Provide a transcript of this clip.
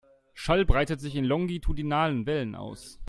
Schall breitet sich in longitudinalen Wellen aus.